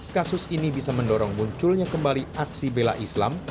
kasus ini bisa mendorong munculnya kembali aksi bela islam